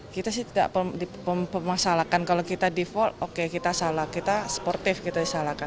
kita sih tidak memasalahkan kalau kita default oke kita salah kita sportif kita disalahkan